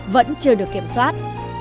vẫn chưa được kiểm soát